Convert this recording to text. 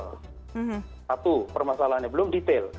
satu permasalahannya belum detail